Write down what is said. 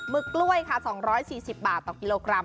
ึกกล้วยค่ะ๒๔๐บาทต่อกิโลกรัม